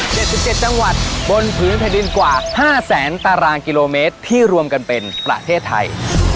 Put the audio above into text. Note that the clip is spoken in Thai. ๗๗จังหวัดบนผืนแผ่นดินกว่าห้าแสนตารางกิโลเมตรที่รวมกันเป็นประเทศไทย